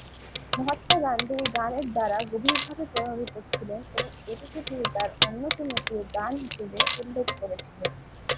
মহাত্মা গান্ধী এই গানের দ্বারা গভীরভাবে প্রভাবিত ছিলেন এবং এটিকে তিনি তার অন্যতম প্রিয় গান হিসেবে উল্লেখ করেছিলেন।